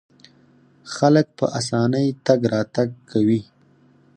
خلک په اسانۍ تګ راتګ کوي.